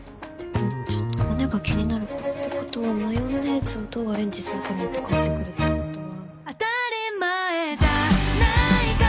ちょっと骨が気になるってことはマヨネーズをどうアレンジするかによって変わってくるってことは。